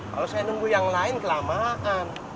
kalau saya nemu yang lain kelamaan